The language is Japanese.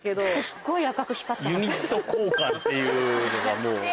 すっごい赤く光ってます。